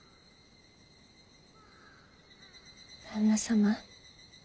旦那様